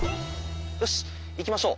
よし行きましょう。